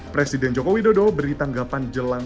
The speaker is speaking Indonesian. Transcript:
presiden jokowi dodo beri tanggapan jelan